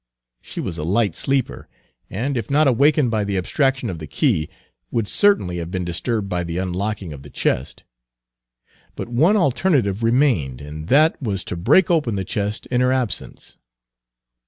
She was a light sleeper, and, if not awakened by the abstraction of the key, would certainly have been disturbed by the unlocking of the chest. But one alternative remained, and that was to break open the chest in her absence.